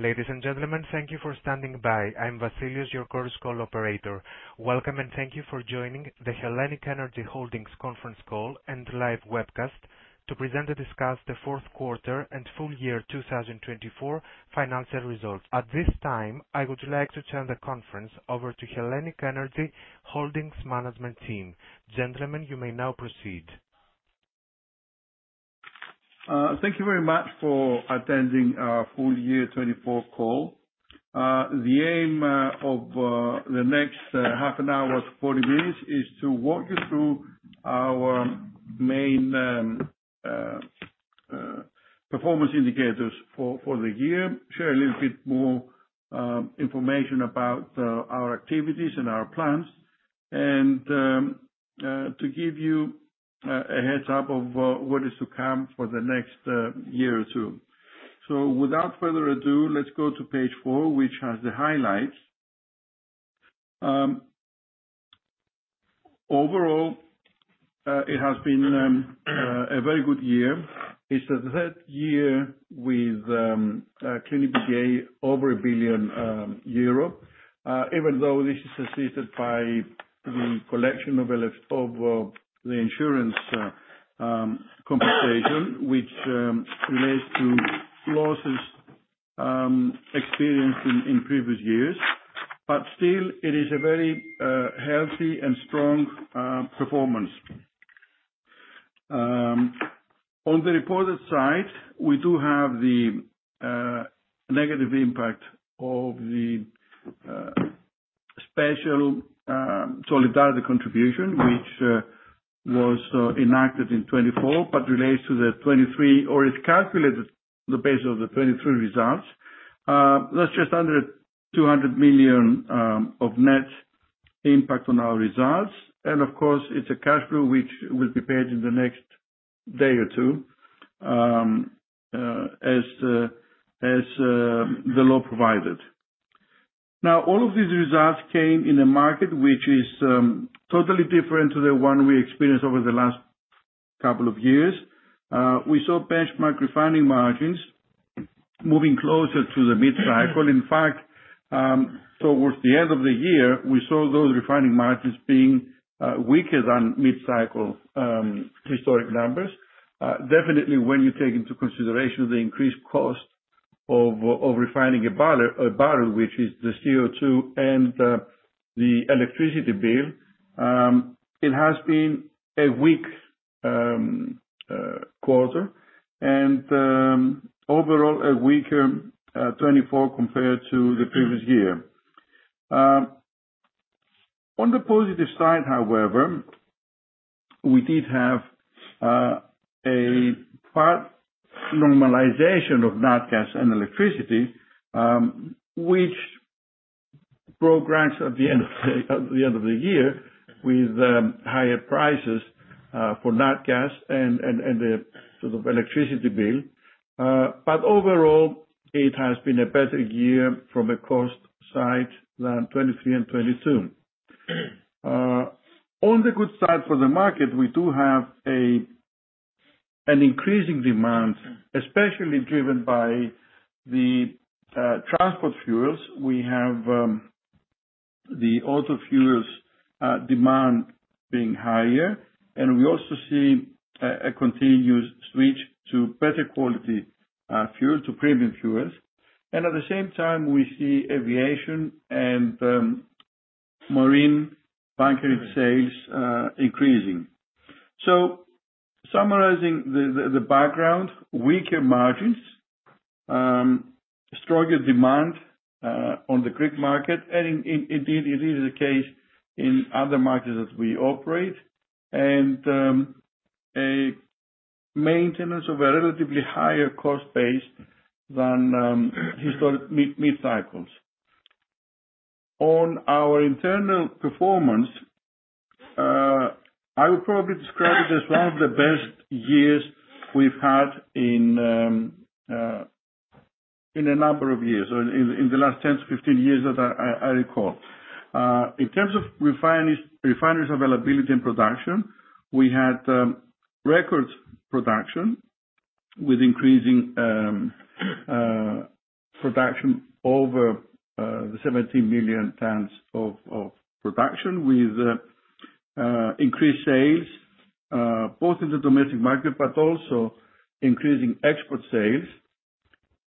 Ladies and gentlemen, thank you for standing by. I'm Vasileios, your Chorus Call operator. Welcome and thank you for joining the HELLENiQ ENERGY Holdings Conference Call and Live Webcast to present and discuss the fourth quarter and full year 2024 financial results. At this time, I would like to turn the conference over to HELLENiQ ENERGY Holdings Management Team. Gentlemen, you may now proceed. Thank you very much for attending our full year 2024 call. The aim of the next half an hour to 40 minutes is to walk you through our main performance indicators for the year, share a little bit more information about our activities and our plans, and to give you a heads up of what is to come for the next year or two. So without further ado, let's go to page four, which has the highlights. Overall, it has been a very good year. It's the third year with clean EBITDA over 1 billion euro, even though this is assisted by the collection of the insurance compensation, which relates to losses experienced in previous years. But still, it is a very healthy and strong performance. On the reported side, we do have the negative impact of the special solidarity contribution, which was enacted in 2024, but relates to the 2023, or it's calculated the base of the 2023 results. That's just under 200 million of net impact on our results. And of course, it's a cash flow which will be paid in the next day or two, as the law provided. Now, all of these results came in a market which is totally different to the one we experienced over the last couple of years. We saw benchmark refining margins moving closer to the mid-cycle. In fact, towards the end of the year, we saw those refining margins being weaker than mid-cycle historic numbers. Definitely, when you take into consideration the increased cost of refining a barrel, which is the CO2 and the electricity bill, it has been a weak quarter and overall a weaker 2024 compared to the previous year. On the positive side, however, we did have a partial normalization of natural gas and electricity, which progressed at the end of the year with higher prices for natural gas and the sort of electricity bill, but overall, it has been a better year from a cost side than 2023 and 2022. On the good side for the market, we do have an increasing demand, especially driven by the transport fuels. We have the auto fuels demand being higher, and we also see a continuous switch to better quality fuels, to premium fuels, and at the same time, we see aviation and marine bunkering sales increasing. So, summarizing the background, weaker margins, stronger demand on the Greek market, and indeed it is the case in other markets that we operate, and maintenance of a relatively higher cost base than mid-cycles. On our internal performance, I would probably describe it as one of the best years we've had in a number of years, in the last 10 to 15 years that I recall. In terms of refineries availability and production, we had record production with increasing production over the 17 million tons of production, with increased sales both in the domestic market, but also increasing export sales.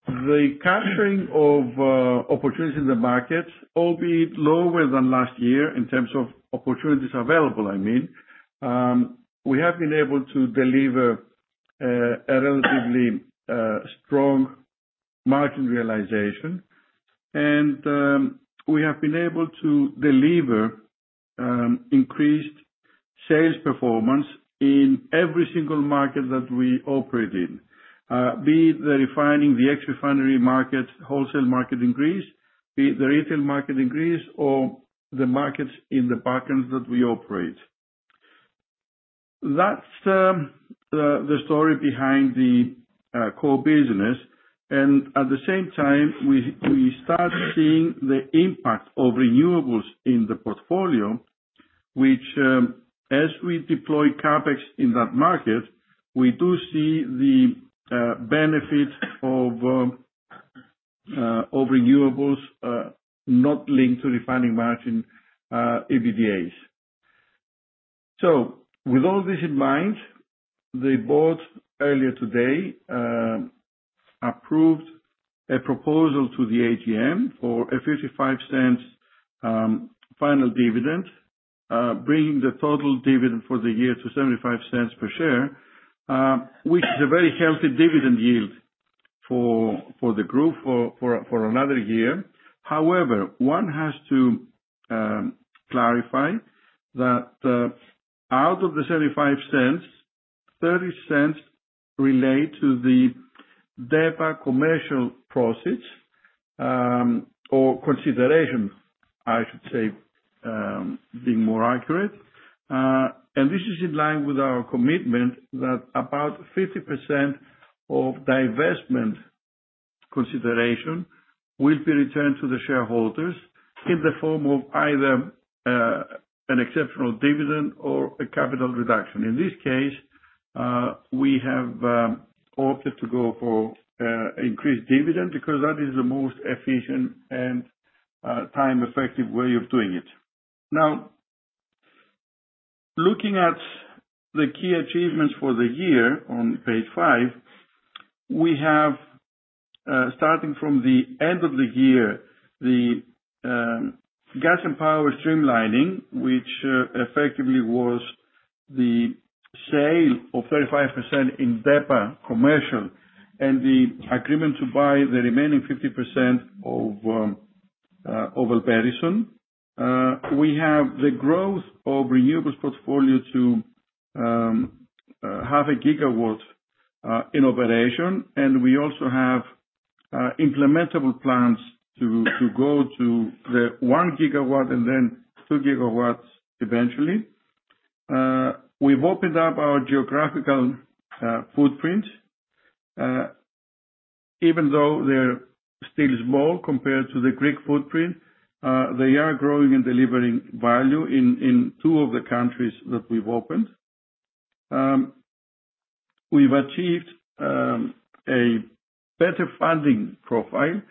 The capturing of opportunities in the markets, albeit lower than last year in terms of opportunities available, I mean, we have been able to deliver a relatively strong margin realization, and we have been able to deliver increased sales performance in every single market that we operate in, be it the refining, the ex-refinery markets, wholesale market increase, be it the retail market increase, or the markets in the Balkans that we operate. That's the story behind the core business. And at the same time, we start seeing the impact of renewables in the portfolio, which, as we deploy CapEx in that market, we do see the benefits of renewables not linked to refining margin EBITDAs. With all this in mind, the Board earlier today approved a proposal to the AGM for a 0.55 final dividend, bringing the total dividend for the year to 0.75 per share, which is a very healthy dividend yield for the group for another year. However, one has to clarify that out of the 0.75, 0.30 relate to the DEPA Commercial proceeds or consideration, I should say, being more accurate. And this is in line with our commitment that about 50% of divestment consideration will be returned to the shareholders in the form of either an exceptional dividend or a capital reduction. In this case, we have opted to go for increased dividend because that is the most efficient and time-effective way of doing it. Now, looking at the key achievements for the year on page five, we have, starting from the end of the year, the gas and power streamlining, which effectively was the sale of 35% in DEPA Commercial and the agreement to buy the remaining 50% of Elpedison. We have the growth of renewables portfolio to half a gigawatt in operation, and we also have implementable plans to go to the one gigawatt and then 2 GW eventually. We've opened up our geographical footprint. Even though they're still small compared to the Greek footprint, they are growing and delivering value in two of the countries that we've opened. We've achieved a better funding profile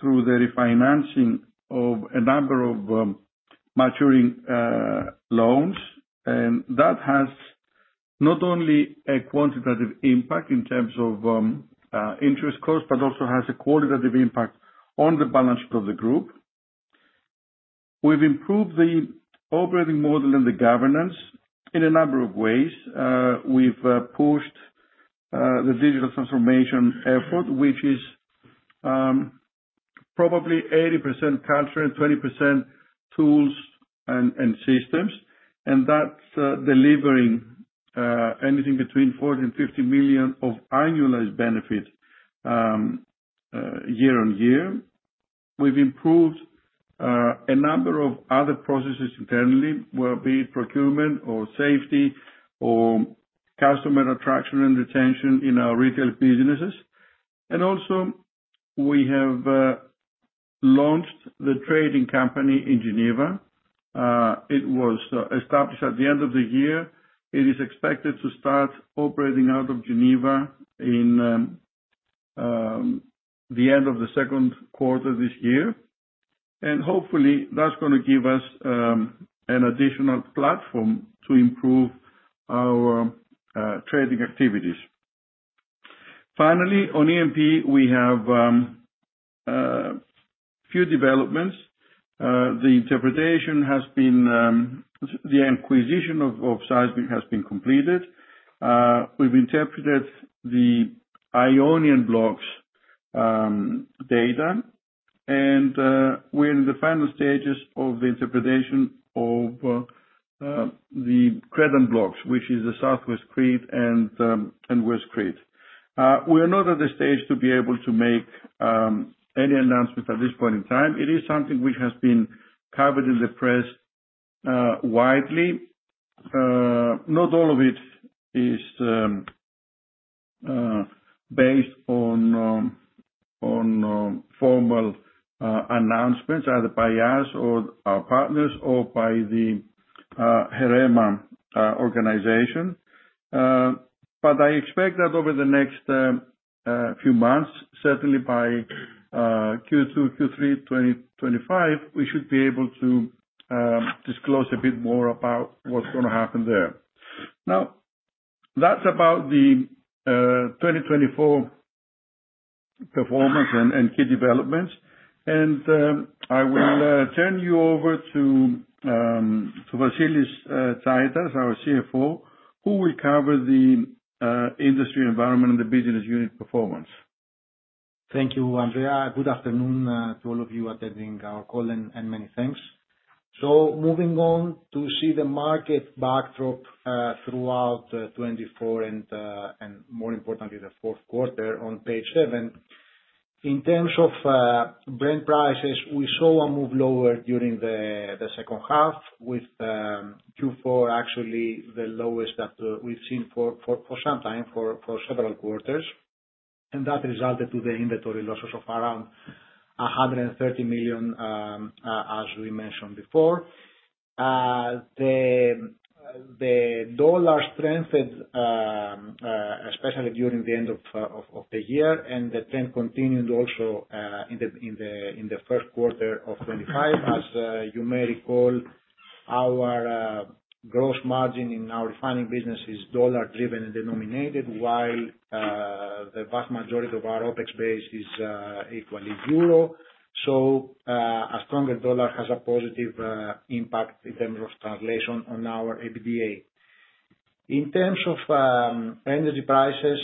through the refinancing of a number of maturing loans, and that has not only a quantitative impact in terms of interest cost, but also has a qualitative impact on the balance sheet of the group. We've improved the operating model and the governance in a number of ways. We've pushed the digital transformation effort, which is probably 80% culture and 20% tools and systems, and that's delivering anything between 40 million-50 million of annualized benefits year on year. We've improved a number of other processes internally, whether it be procurement or safety or customer attraction and retention in our retail businesses, and also we have launched the trading company in Geneva. It was established at the end of the year. It is expected to start operating out of Geneva in the end of the second quarter this year, and hopefully that's going to give us an additional platform to improve our trading activities. Finally, on E&P we have a few developments. The interpretation of the seismic acquisition has been completed. We've interpreted the Ionian blocks data, and we're in the final stages of the interpretation of the Cretan blocks, which is the Southwest Crete and West Crete. We are not at the stage to be able to make any announcements at this point in time. It is something which has been covered in the press widely. Not all of it is based on formal announcements either by us or our partners or by the HEREMA organization, but I expect that over the next few months, certainly by Q2, Q3, 2025, we should be able to disclose a bit more about what's going to happen there. Now, that's about the 2024 performance and key developments, and I will turn you over to Vasilis Tsaitas, our CFO, who will cover the industry environment and the business unit performance. Thank you, Andreas. Good afternoon to all of you attending our call and many thanks. So moving on to the market backdrop throughout 2024 and more importantly, the fourth quarter on page seven. In terms of Brent prices, we saw a move lower during the second half, with Q4 actually the lowest that we've seen for some time, for several quarters. And that resulted in the inventory losses of around 130 million, as we mentioned before. The dollar strengthened, especially during the end of the year, and the trend continued also in the first quarter of 2025. As you may recall, our gross margin in our refining business is dollar-driven and denominated, while the vast majority of our OpEx base is equally euro. So a stronger dollar has a positive impact in terms of translation on our EBITDA. In terms of energy prices,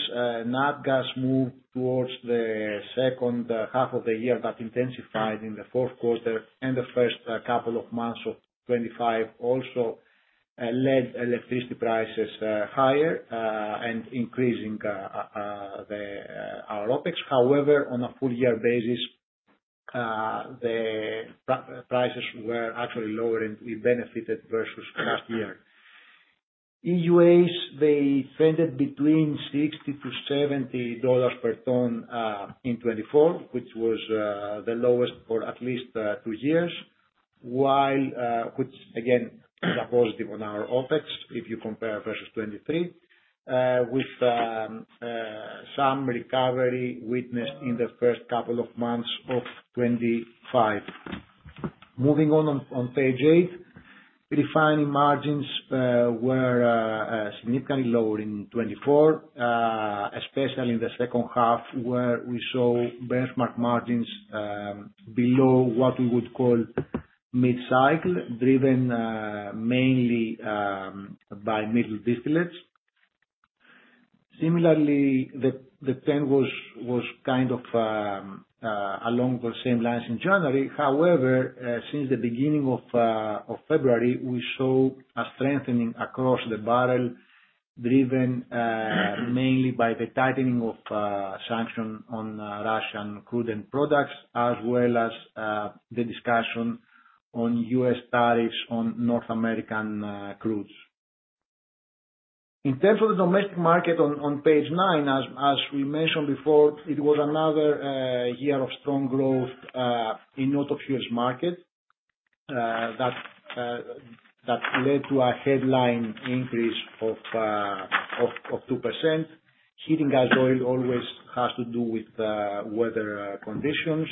natural gas moved towards the second half of the year that intensified in the fourth quarter, and the first couple of months of 2025 also led electricity prices higher and increasing our OpEx. However, on a full-year basis, the prices were actually lower and we benefited versus last year. EUAs, they trended between $60-$70 per ton in 2024, which was the lowest for at least two years, which again is a positive on our OpEx if you compare versus 2023, with some recovery witnessed in the first couple of months of 2025. Moving on page eight, refining margins were significantly lower in 2024, especially in the second half, where we saw benchmark margins below what we would call mid-cycle, driven mainly by middle distillates. Similarly, the trend was kind of along the same lines in January. However, since the beginning of February, we saw a strengthening across the barrel, driven mainly by the tightening of sanctions on Russian crude and products, as well as the discussion on U.S. tariffs on North American crudes. In terms of the domestic market on page nine, as we mentioned before, it was another year of strong growth in auto fuels market that led to a headline increase of 2%. Heating gas oil always has to do with weather conditions,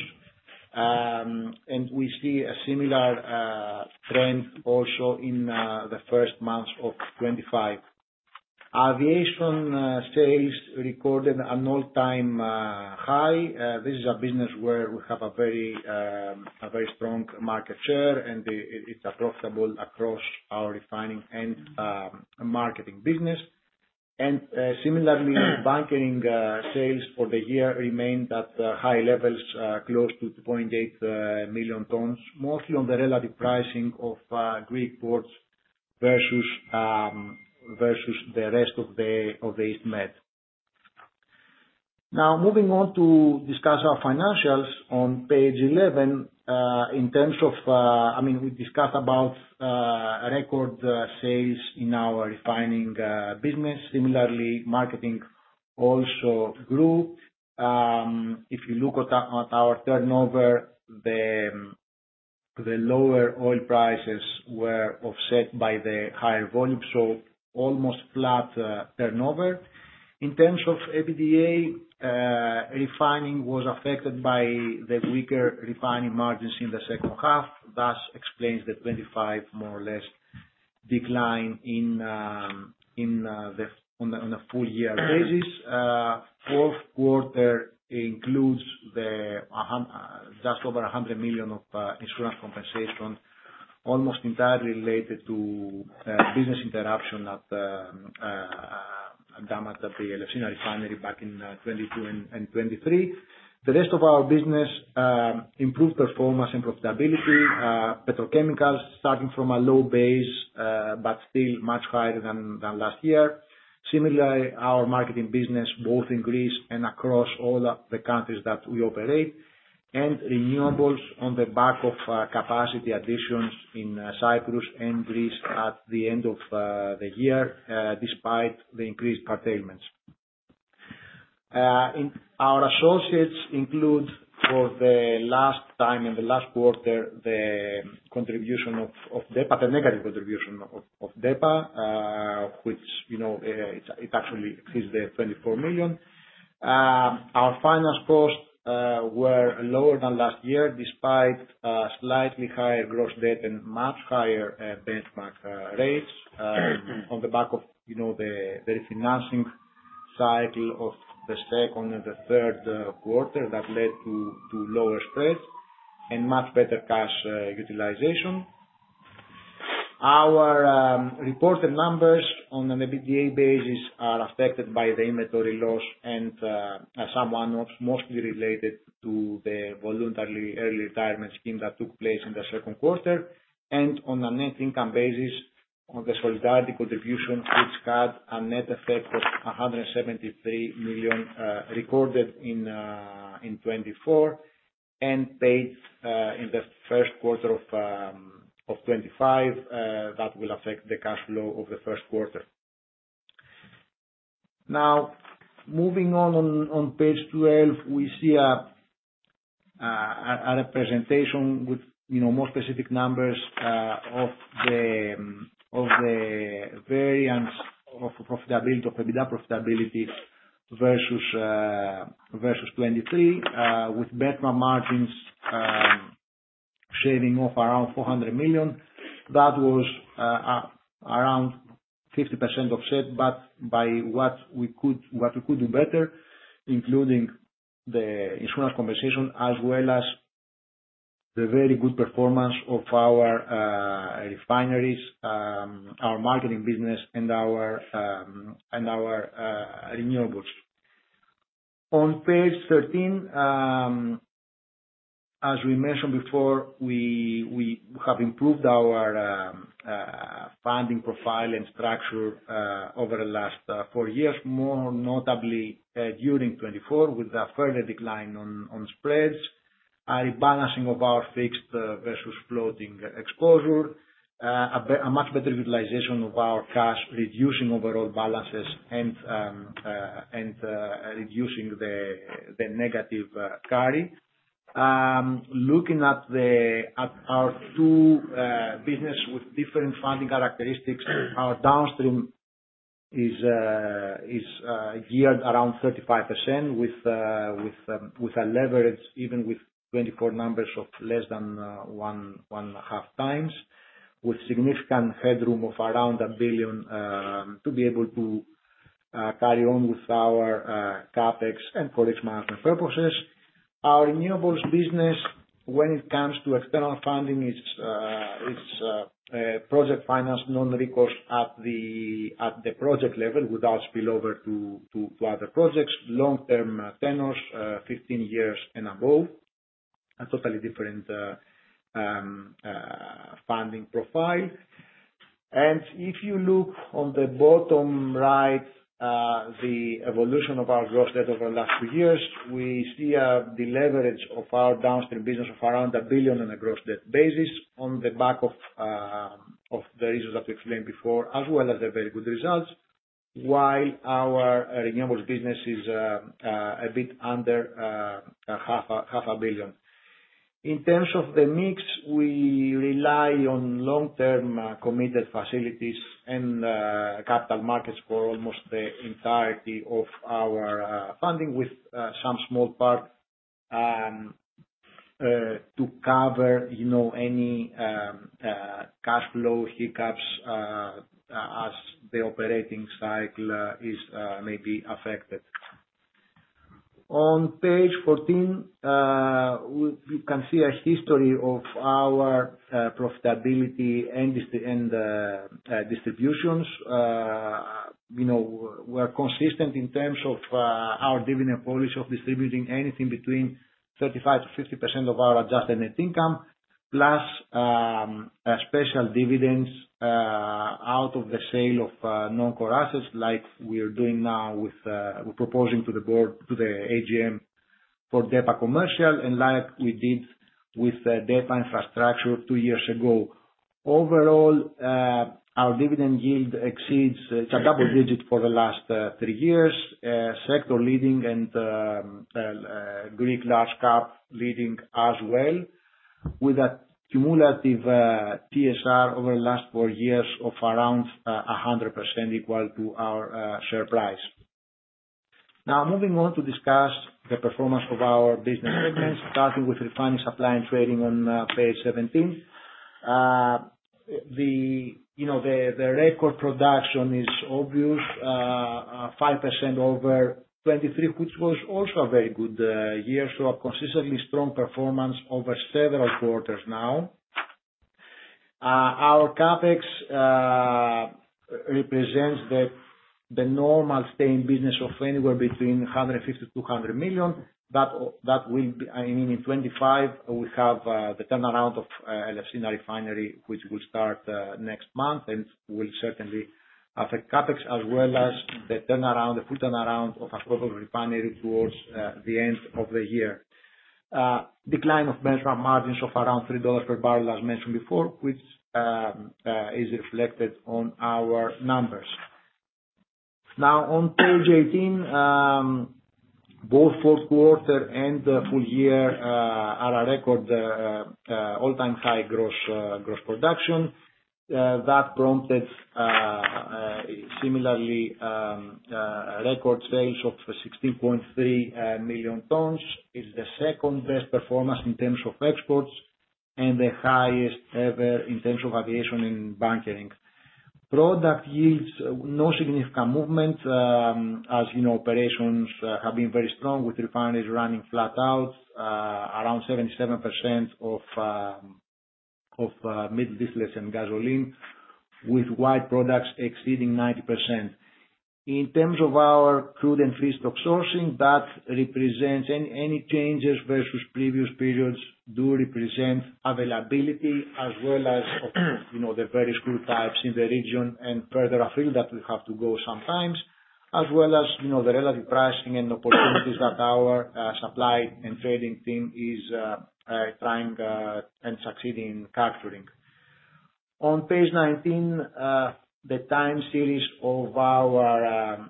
and we see a similar trend also in the first months of 2025. Aviation sales recorded an all-time high. This is a business where we have a very strong market share, and it's profitable across our refining and marketing business, and similarly, bunkering sales for the year remained at high levels, close to 2.8 million tons, mostly on the relative pricing of Greek ports versus the rest of the East Med. Now, moving on to discuss our financials on page 11, in terms of, I mean, we discussed about record sales in our refining business. Similarly, marketing also grew. If you look at our turnover, the lower oil prices were offset by the higher volume, so almost flat turnover. In terms of EBITDA, refining was affected by the weaker refining margins in the second half. That explains the 25%, more or less, decline on a full-year basis. Fourth quarter includes just over 100 million of insurance compensation, almost entirely related to business interruption at damages at the Elefsina refinery back in 2022 and 2023. The rest of our business improved performance and profitability, petrochemicals starting from a low base, but still much higher than last year. Similarly, our marketing business, both in Greece and across all the countries that we operate, and renewables on the back of capacity additions in Cyprus and Greece at the end of the year, despite the increased curtailments. Our associates include, for the last time in the last quarter, the contribution of DEPA, the negative contribution of DEPA, which actually exceeds EUR 24 million. Our finance costs were lower than last year, despite slightly higher gross debt and much higher benchmark rates on the back of the refinancing cycle of the second and the third quarter that led to lower spreads and much better cash utilization. Our reported numbers on an EBITDA basis are affected by the inventory loss and some items mostly related to the voluntary early retirement scheme that took place in the second quarter. On a net income basis, the solidarity contribution, which had a net effect of 173 million recorded in 2024 and paid in the first quarter of 2025, that will affect the cash flow of the first quarter. Now, moving on page 12, we see a representation with more specific numbers of the variance of profitability of EBITDA profitability versus 2023, with benchmark margins shaving off around 400 million. That was around 50% offset, but by what we could do better, including the insurance compensation, as well as the very good performance of our refineries, our marketing business, and our renewables. On page 13, as we mentioned before, we have improved our funding profile and structure over the last four years, more notably during 2024, with a further decline on spreads, a rebalancing of our fixed versus floating exposure, a much better utilization of our cash, reducing overall balances and reducing the negative carry. Looking at our two businesses with different funding characteristics, our downstream is geared around 35% with a leverage even with 2024 numbers of less than one and a half times, with significant headroom of around 1 billion to be able to carry on with our CapEx and forex purposes. Our renewables business, when it comes to external funding, is project financed non-recourse at the project level without spillover to other projects, long-term tenors, 15 years and above, a totally different funding profile. And if you look on the bottom right, the evolution of our gross debt over the last two years, we see the leverage of our downstream business of around 1 billion on a gross debt basis on the back of the reasons that we explained before, as well as the very good results, while our renewables business is a bit under 0.5 billion. In terms of the mix, we rely on long-term committed facilities and capital markets for almost the entirety of our funding, with some small part to cover any cash flow hiccups as the operating cycle is maybe affected. On page 14, you can see a history of our profitability and distributions. We are consistent in terms of our dividend policy of distributing anything between 35%-50% of our Adjusted Net Income, plus special dividends out of the sale of non-core assets, like we are doing now with proposing to the board, to the AGM for DEPA Commercial, and like we did with DEPA Infrastructure two years ago. Overall, our dividend yield exceeds 10%. It's a double-digit for the last three years, sector leading and Greek large cap leading as well, with a cumulative TSR over the last four years of around 100% equal to our share price. Now, moving on to discuss the performance of our business segments, starting with refining supply and trading on page 17. The record production is obvious, 5% over 2023, which was also a very good year, so a consistently strong performance over several quarters now. Our CapEx represents the normal steady business of anywhere between 150 million-200 million. That will be, I mean, in 2025, we have the turnaround of Elefsina refinery, which will start next month and will certainly affect CapEx, as well as the full turnaround of a global refinery towards the end of the year. Decline of benchmark margins of around $3 per barrel, as mentioned before, which is reflected on our numbers. Now, on page 18, both fourth quarter and full year are a record all-time high gross production. That prompted, similarly, record sales of 16.3 million tons. It's the second best performance in terms of exports and the highest ever in terms of aviation and bunkering. Product yields, no significant movement, as operations have been very strong, with refineries running flat out, around 77% of middle distillates and gasoline, with white products exceeding 90%. In terms of our crude and feedstock sourcing, that represents any changes versus previous periods do represent availability, as well as the various crude types in the region and further afield that we have to go sometimes, as well as the relative pricing and opportunities that our supply and trading team is trying and succeeding in capturing. On page 19, the time series of our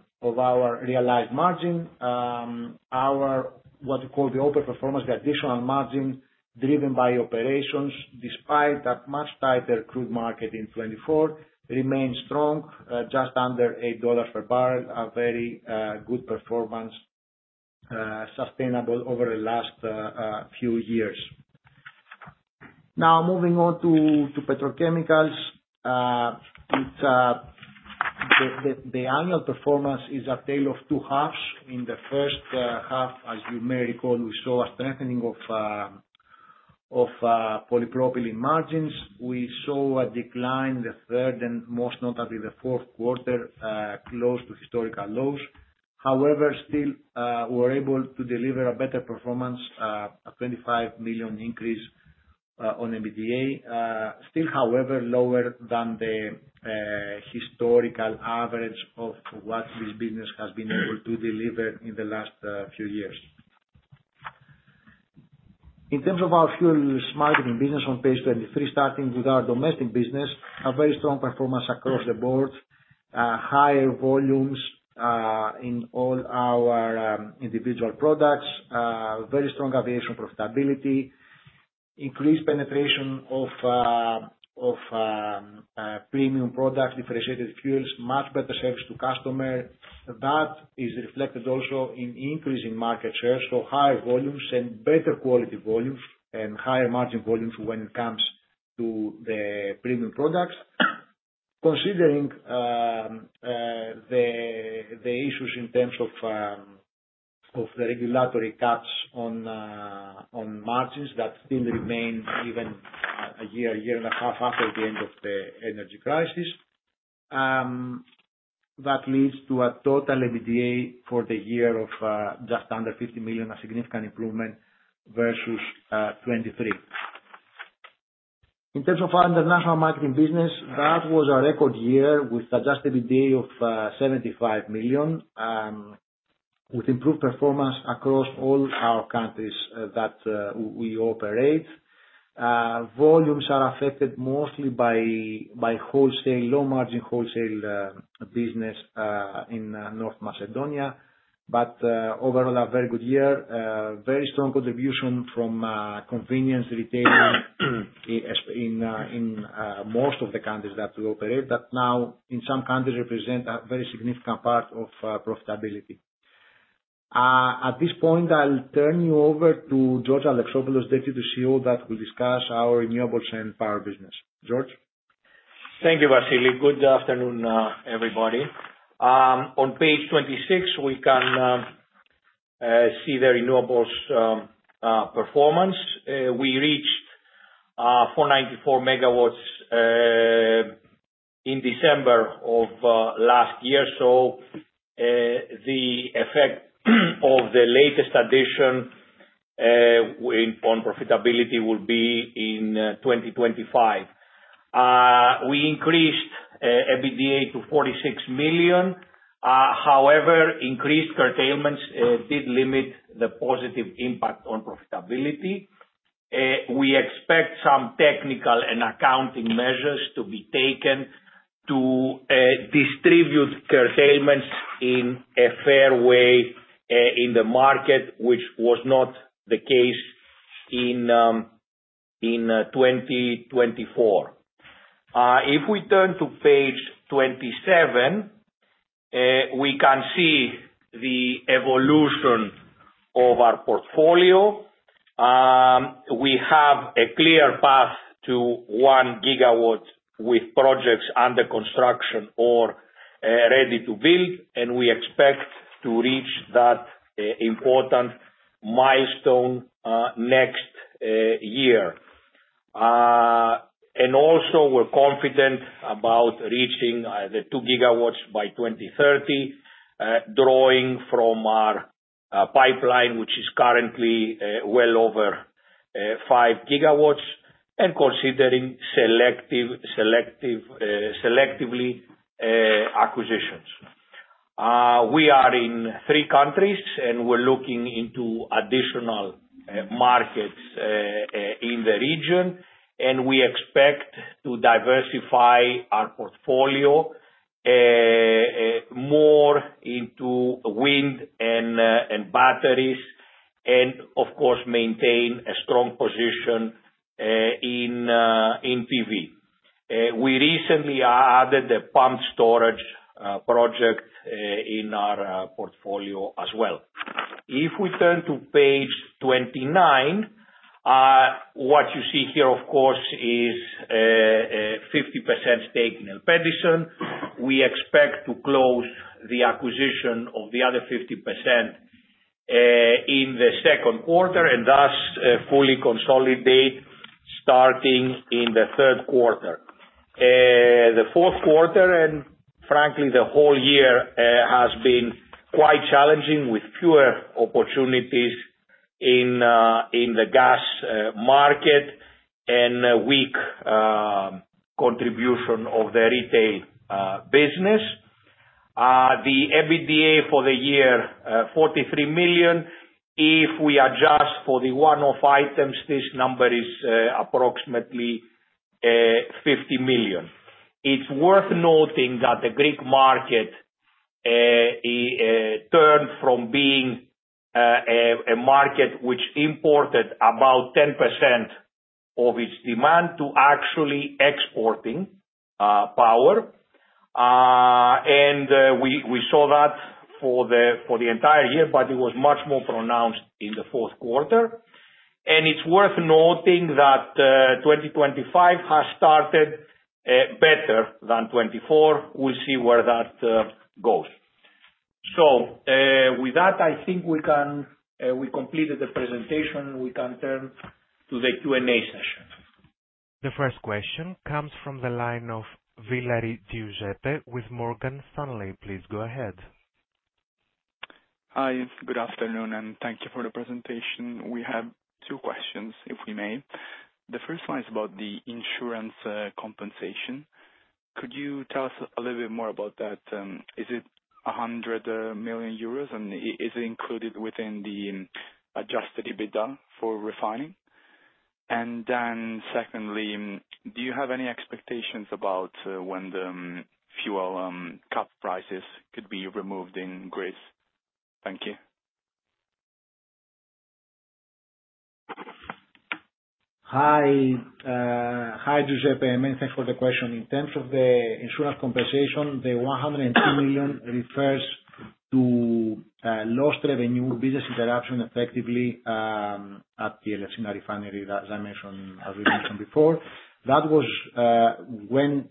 realized margin, our what we call the open performance, the additional margin driven by operations, despite a much tighter crude market in 2024, remains strong, just under $8 per barrel, a very good performance sustainable over the last few years. Now, moving on to petrochemicals, the annual performance is a tale of two halves. In the first half, as you may recall, we saw a strengthening of polypropylene margins. We saw a decline in the third and most notably the fourth quarter, close to historical lows. However, still, we were able to deliver a better performance, a 25 million increase on EBITDA. Still, however, lower than the historical average of what this business has been able to deliver in the last few years. In terms of our fuel marketing business, on page 23, starting with our domestic business, a very strong performance across the board, higher volumes in all our individual products, very strong aviation profitability, increased penetration of premium products, differentiated fuels, much better service to customer. That is reflected also in increasing market share, so higher volumes and better quality volumes and higher margin volumes when it comes to the premium products. Considering the issues in terms of the regulatory cuts on margins that still remain even a year, year and a half after the end of the energy crisis, that leads to a total EBITDA for the year of just under 50 million, a significant improvement versus 2023. In terms of our international marketing business, that was a record year with adjusted EBITDA of 75 million, with improved performance across all our countries that we operate. Volumes are affected mostly by wholesale, low-margin wholesale business in North Macedonia, but overall, a very good year, very strong contribution from convenience retailing in most of the countries that we operate, that now in some countries represent a very significant part of profitability. At this point, I'll turn you over to George Alexopoulos, Deputy CEO, that will discuss our renewables and power business. George? Thank you, Vasilis. Good afternoon, everybody. On page 26, we can see the renewables performance. We reached 494 MW in December of last year, so the effect of the latest addition on profitability will be in 2025. We increased EBITDA to 46 million. However, increased curtailments did limit the positive impact on profitability. We expect some technical and accounting measures to be taken to distribute curtailments in a fair way in the market, which was not the case in 2024. If we turn to page 27, we can see the evolution of our portfolio. We have a clear path to one gigawatt with projects under construction or ready to build, and we expect to reach that important milestone next year, and also, we're confident about reaching the 2 GW by 2030, drawing from our pipeline, which is currently well over 5 GW, and considering selectively acquisitions. We are in three countries, and we're looking into additional markets in the region, and we expect to diversify our portfolio more into wind and batteries, and of course, maintain a strong position in PV. We recently added the pumped storage project in our portfolio as well. If we turn to page 29, what you see here, of course, is 50% stake in Elpedison. We expect to close the acquisition of the other 50% in the second quarter and thus fully consolidate starting in the third quarter. The fourth quarter, and frankly, the whole year has been quite challenging with fewer opportunities in the gas market and weak contribution of the retail business. The EBITDA for the year, 43 million. If we adjust for the one-off items, this number is approximately 50 million. It's worth noting that the Greek market turned from being a market which imported about 10% of its demand to actually exporting power, and we saw that for the entire year, but it was much more pronounced in the fourth quarter, and it's worth noting that 2025 has started better than 2024. We'll see where that goes, so with that, I think we completed the presentation. We can turn to the Q&A session. The first question comes from the line of Giuseppe Villari with Morgan Stanley. Please go ahead. Hi. Good afternoon, and thank you for the presentation. We have two questions, if we may. The first one is about the insurance compensation. Could you tell us a little bit more about that? Is it 100 million euros, and is it included within the Adjusted EBITDA for refining? And then secondly, do you have any expectations about when the fuel cap prices could be removed in Greece? Thank you. Hi. Hi, Giuseppe. Many thanks for the question. In terms of the insurance compensation, the 102 million refers to lost revenue, business interruption effectively at the Elefsina refinery, as I mentioned, as we mentioned before. That was when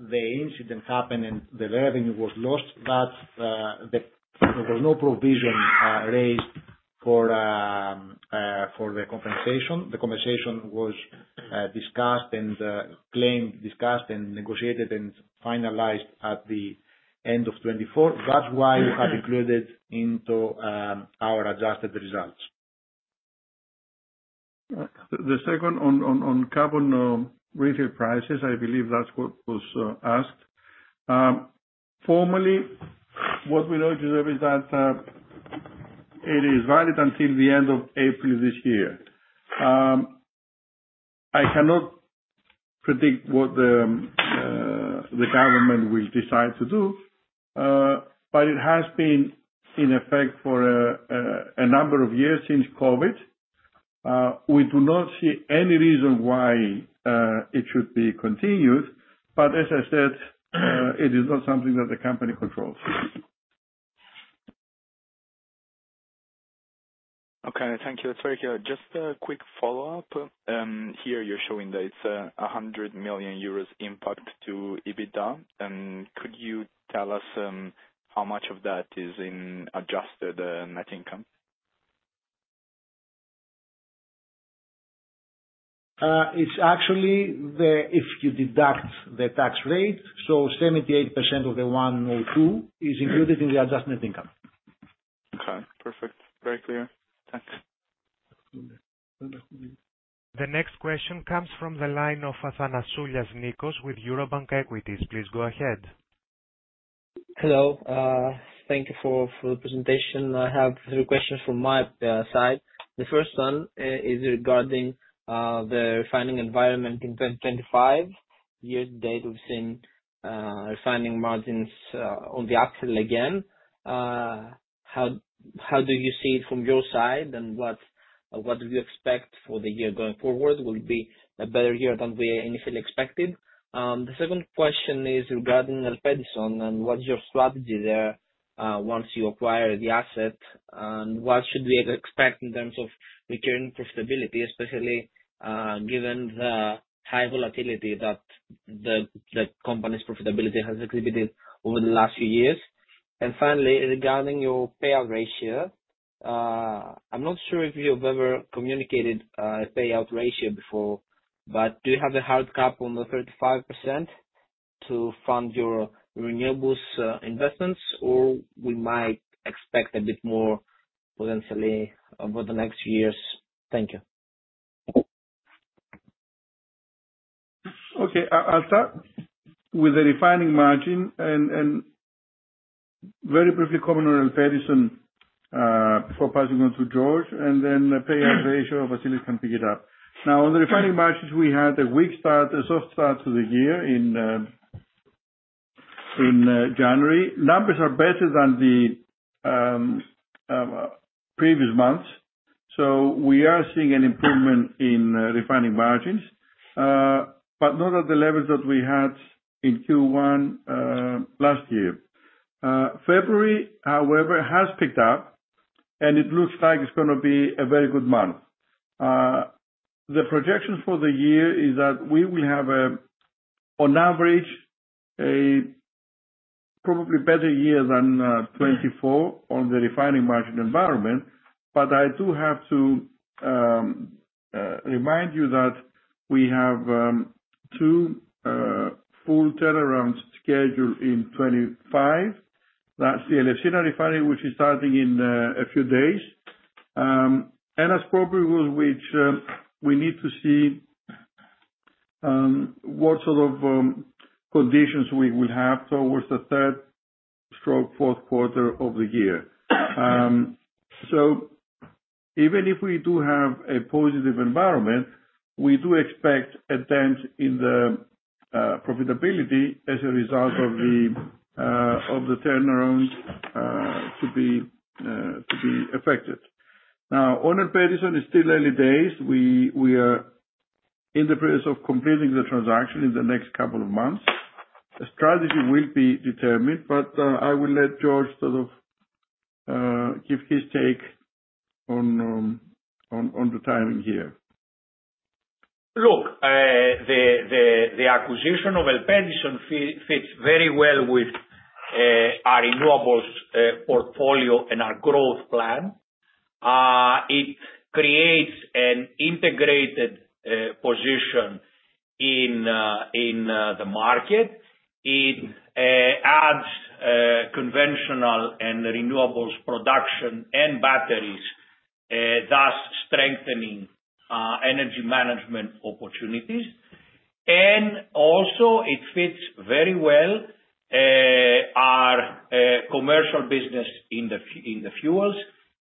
the incident happened and the revenue was lost, that there was no provision raised for the compensation. The compensation was discussed and claimed and negotiated and finalized at the end of 2024. That's why we have included into our adjusted results. The second on fuel cap prices, I believe that's what was asked. Formally, what we know is that it is valid until the end of April this year. I cannot predict what the government will decide to do, but it has been in effect for a number of years since COVID. We do not see any reason why it should be continued, but as I said, it is not something that the company controls. Okay. Thank you. That's very clear. Just a quick follow-up. Here you're showing that it's 100 million euros impact to EBITDA, and could you tell us how much of that is in adjusted net income? It's actually if you deduct the tax rate, so 78% of the 102 is included in the adjusted net income. Okay. Perfect. Very clear. Thanks. The next question comes from the line of Nikos Athanasoulias with Eurobank Equities. Please go ahead. Hello. Thank you for the presentation. I have three questions from my side. The first one is regarding the refining environment in 2025. Year to date, we've seen refining margins on the decline again. How do you see it from your side, and what do you expect for the year going forward? Will it be a better year than we initially expected? The second question is regarding Elpedison and what's your strategy there once you acquire the asset, and what should we expect in terms of recurring profitability, especially given the high volatility that the company's profitability has exhibited over the last few years? And finally, regarding your payout ratio, I'm not sure if you've ever communicated a payout ratio before, but do you have a hard cap on the 35% to fund your renewables investments, or we might expect a bit more potentially over the next years? Thank you. Okay. I'll start with the refining margin and very briefly comment on Elpedison before passing on to George, and then payout ratio Vasilis can pick it up. Now, on the refining margins, we had a weak start, a soft start to the year in January. Numbers are better than the previous months, so we are seeing an improvement in refining margins, but not at the levels that we had in Q1 last year. February, however, has picked up, and it looks like it's going to be a very good month. The projection for the year is that we will have, on average, a probably better year than 2024 on the refining margin environment, but I do have to remind you that we have two full turnarounds scheduled in 2025. That's the Elefsina refining, which is starting in a few days, and as probably will reach we need to see what sort of conditions we will have towards the third, fourth quarter of the year, so even if we do have a positive environment, we do expect a dent in the profitability as a result of the turnaround to be affected. Now, on Elpedison is still early days. We are in the process of completing the transaction in the next couple of months. The strategy will be determined, but I will let George sort of give his take on the timing here. Look, the acquisition of Elpedison fits very well with our renewables portfolio and our growth plan. It creates an integrated position in the market. It adds conventional and renewables production and batteries, thus strengthening energy management opportunities. And also, it fits very well our commercial business in the fuels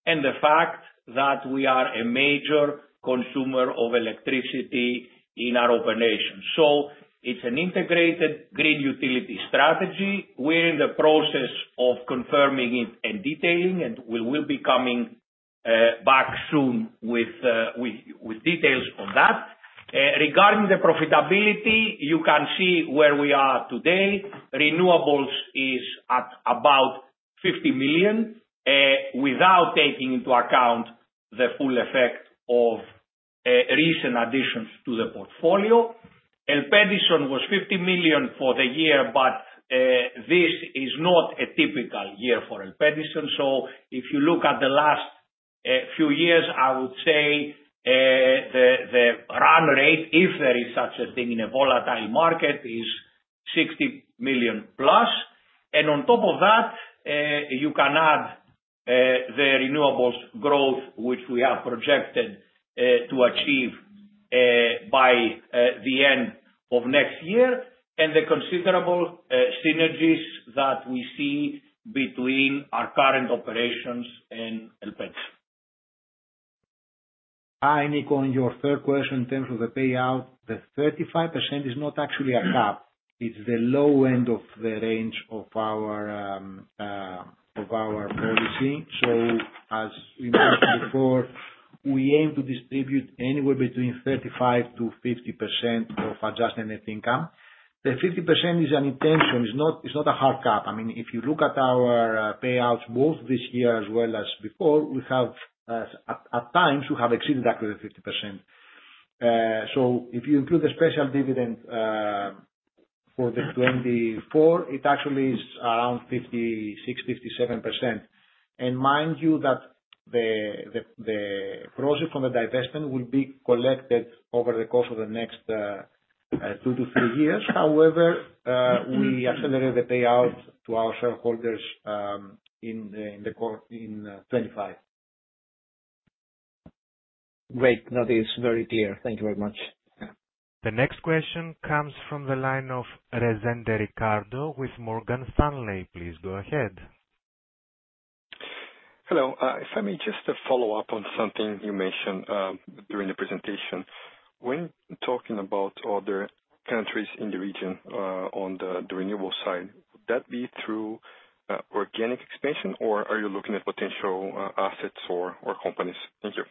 and the fact that we are a major consumer of electricity in our operation. So it's an integrated green utility strategy. We're in the process of confirming it and detailing, and we will be coming back soon with details on that. Regarding the profitability, you can see where we are today. Renewables is at about 50 million without taking into account the full effect of recent additions to the portfolio. Elpedison was 50 million for the year, but this is not a typical year for Elpedison. So if you look at the last few years, I would say the run rate, if there is such a thing in a volatile market, is 60 million plus. And on top of that, you can add the renewables growth, which we have projected to achieve by the end of next year, and the considerable synergies that we see between our current operations and Elpedison. Hi, Nikos. On your third question in terms of the payout, the 35% is not actually a cap. It's the low end of the range of our policy. So as we mentioned before, we aim to distribute anywhere between 35% to 50% of adjusted net income. The 50% is an intention. It's not a hard cap. I mean, if you look at our payouts, both this year as well as before, we have at times exceeded the 50%. So if you include the special dividend for the 2024, it actually is around 56%-57%. Mind you that the profit from the divestment will be collected over the course of the next two to three years. However, we accelerate the payout to our shareholders in 2025. Great. That is very clear. Thank you very much. The next question comes from the line of Ricardo Nasser with Morgan Stanley. Please go ahead. Hello. If I may just follow up on something you mentioned during the presentation. When talking about other countries in the region on the renewable side, would that be through organic expansion, or are you looking at potential assets or companies? Thank you.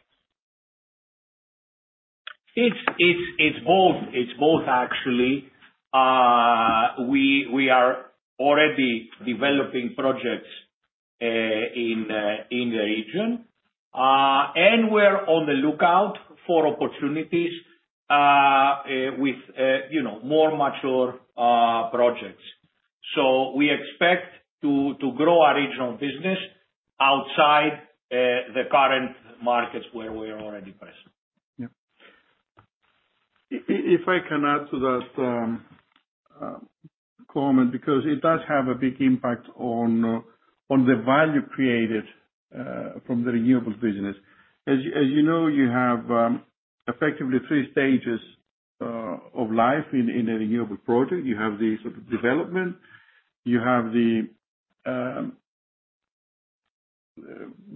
It's both, actually. We are already developing projects in the region, and we're on the lookout for opportunities with more mature projects. So we expect to grow our regional business outside the current markets where we're already present. If I can add to that comment, because it does have a big impact on the value created from the renewables business. As you know, you have effectively three stages of life in a renewable project. You have the sort of development. You have the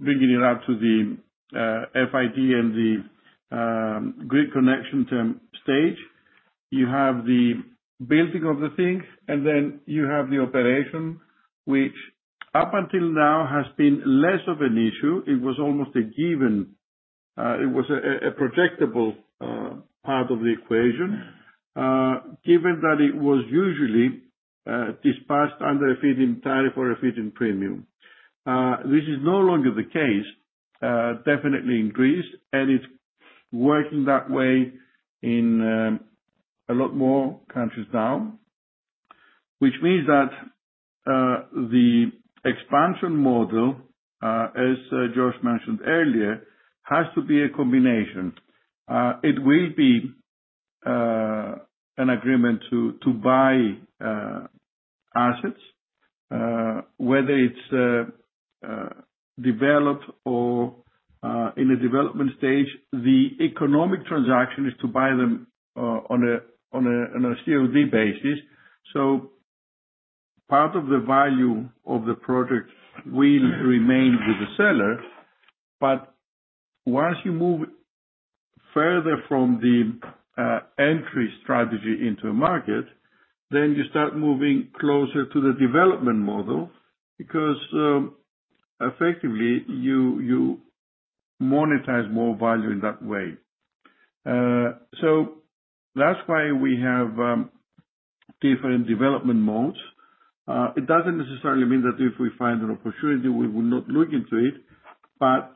bringing it up to the FID and the grid connection stage. You have the building of the thing, and then you have the operation, which up until now has been less of an issue. It was almost a given. It was a projectable part of the equation, given that it was usually dispatched under a feed-in tariff or a feed-in premium. This is no longer the case. Definitely increased, and it's working that way in a lot more countries now, which means that the expansion model, as George mentioned earlier, has to be a combination. It will be an agreement to buy assets, whether it's developed or in a development stage. The economic transaction is to buy them on a COD basis. So part of the value of the project will remain with the seller, but once you move further from the entry strategy into a market, then you start moving closer to the development model because effectively you monetize more value in that way. So that's why we have different development modes. It doesn't necessarily mean that if we find an opportunity, we will not look into it, but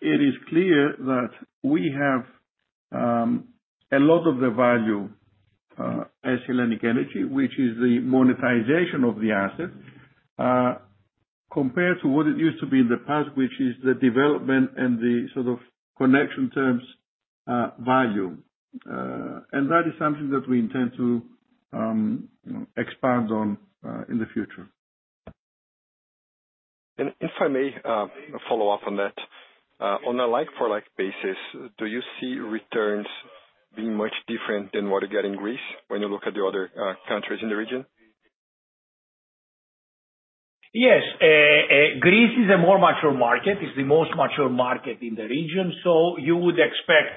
it is clear that we have a lot of the value as HELLENiQ ENERGY, which is the monetization of the asset, compared to what it used to be in the past, which is the development and the sort of connection terms value, and that is something that we intend to expand on in the future. And if I may follow up on that, on a like-for-like basis, do you see returns being much different than what you get in Greece when you look at the other countries in the region? Yes. Greece is a more mature market. It's the most mature market in the region, so you would expect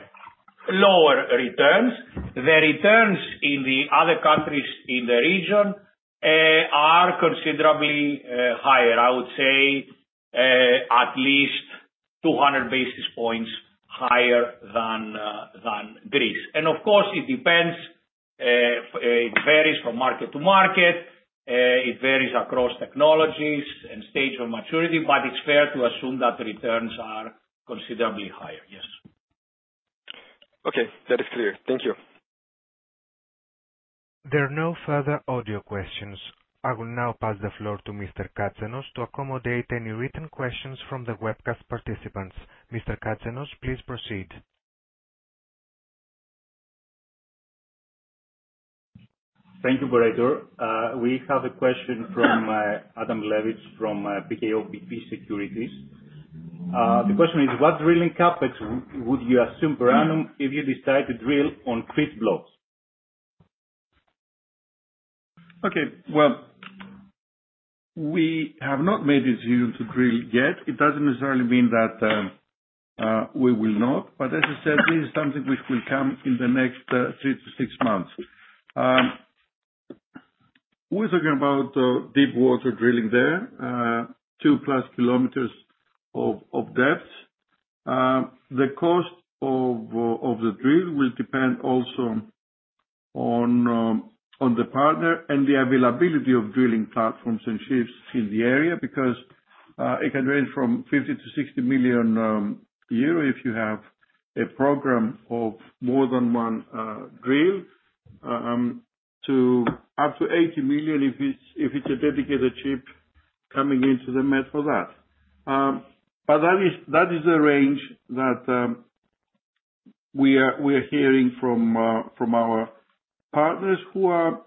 lower returns. The returns in the other countries in the region are considerably higher, I would say at least 200 basis points higher than Greece. And of course, it depends. It varies from market to market. It varies across technologies and stage of maturity, but it's fair to assume that returns are considerably higher. Yes. Okay. That is clear. Thank you. There are no further audio questions. I will now pass the floor to Mr. Katsanos to accommodate any written questions from the webcast participants. Mr. Katsanos, please proceed. Thank you, operator. We have a question from Adam Lewicki from PKO BP Securities. The question is, what drilling CapEx would you assume per annum, if you decide to drill on Crete blocks? Okay. Well, we have not made the decision to drill yet. It doesn't necessarily mean that we will not, but as I said, this is something which will come in the next three to six months. We're talking about deep water drilling there, two-plus kilometers of depth. The cost of the drill will depend also on the partner and the availability of drilling platforms and ships in the area because it can range from 50-60 million euro if you have a program of more than one drill, to up to 80 million if it's a dedicated ship coming into the Med for that. But that is the range that we are hearing from our partners who are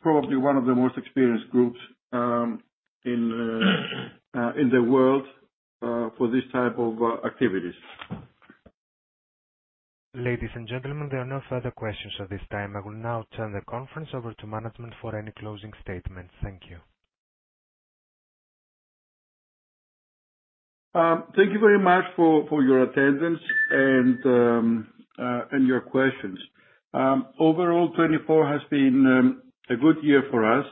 probably one of the most experienced groups in the world for this type of activities. Ladies and gentlemen, There are no further questions at this time. I will now turn the conference over to management for any closing statements. Thank you. Thank you very much for your attendance and your questions. Overall, 2024 has been a good year for us.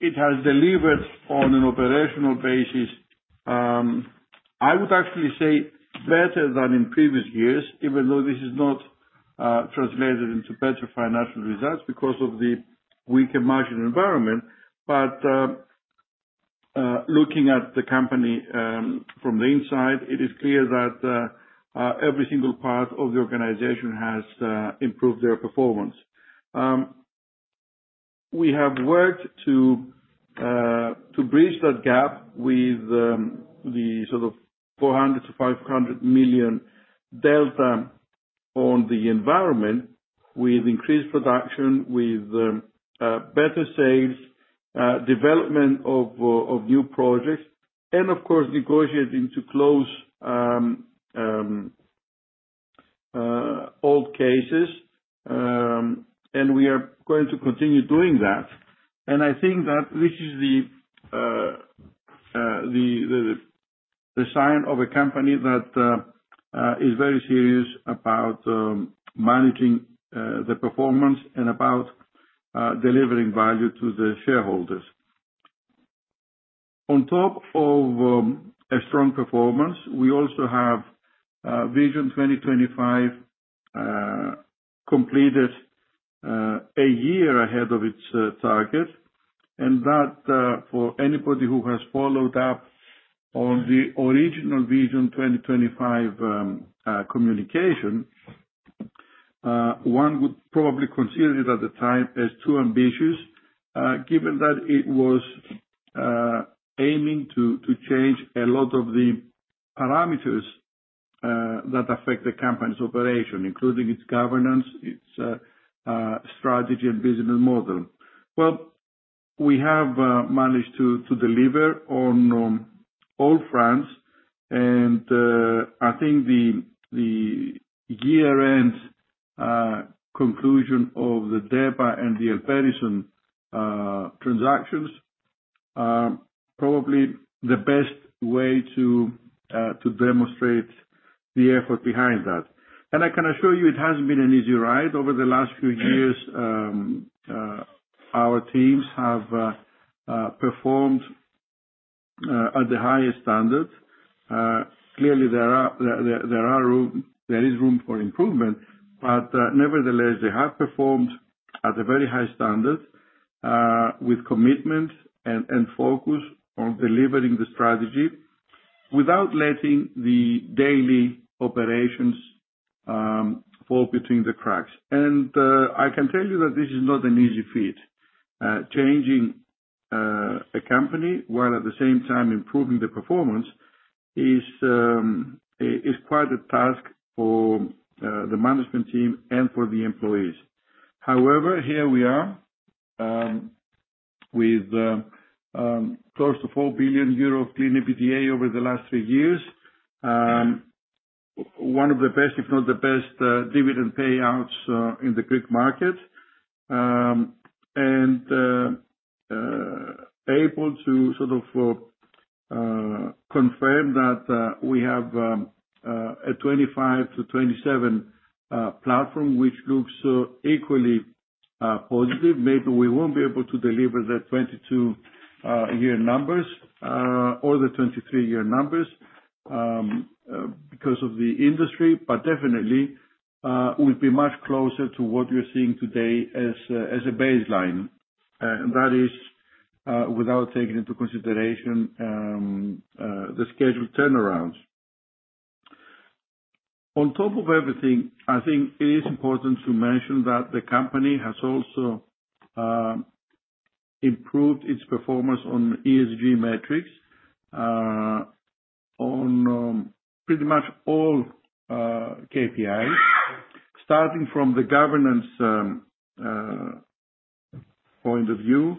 It has delivered on an operational basis, I would actually say, better than in previous years, even though this is not translated into better financial results because of the weaker margin environment. But looking at the company from the inside, it is clear that every single part of the organization has improved their performance. We have worked to bridge that gap with the sort of 400 million-500 million delta on the environment, with increased production, with better sales, development of new projects, and of course, negotiating to close old cases. And we are going to continue doing that. And I think that this is the sign of a company that is very serious about managing the performance and about delivering value to the shareholders. On top of a strong performance, we also have Vision 2025 completed a year ahead of its target. And that, for anybody who has followed up on the original Vision 2025 communication, one would probably consider it at the time as too ambitious, given that it was aiming to change a lot of the parameters that affect the company's operation, including its governance, its strategy, and business model. We have managed to deliver on all fronts, and I think the year-end conclusion of the DEPA and the Elpedison transactions are probably the best way to demonstrate the effort behind that. I can assure you it hasn't been an easy ride. Over the last few years, our teams have performed at the highest standards. Clearly, there is room for improvement, but nevertheless, they have performed at a very high standard with commitment and focus on delivering the strategy without letting the daily operations fall between the cracks. I can tell you that this is not an easy feat. Changing a company while at the same time improving the performance is quite a task for the management team and for the employees. However, here we are with close to 4 billion euro of clean EBITDA over the last three years, one of the best, if not the best, dividend payouts in the refining market, and able to sort of confirm that we have a 25-27 platform, which looks equally positive. Maybe we won't be able to deliver the 22-year numbers or the 23-year numbers because of the industry, but definitely we'll be much closer to what we're seeing today as a baseline. And that is without taking into consideration the scheduled turnarounds. On top of everything, I think it is important to mention that the company has also improved its performance on ESG metrics on pretty much all KPIs, starting from the governance point of view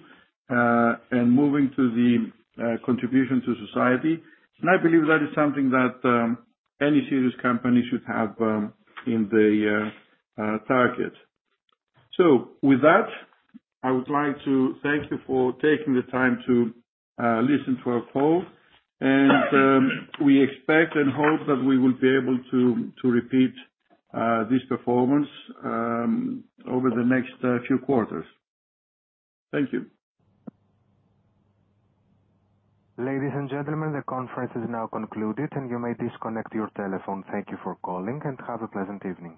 and moving to the contribution to society. And I believe that is something that any serious company should have in the target. So with that, I would like to thank you for taking the time to listen to our call. And we expect and hope that we will be able to repeat this performance over the next few quarters. Thank you. Ladies and gentlemen, the conference is now concluded, and you may disconnect your telephone. Thank you for calling, and have a pleasant evening.